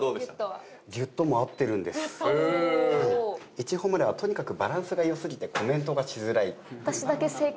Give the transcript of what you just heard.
いちほまれはとにかくバランスが良すぎてコメントがしづらいっていう。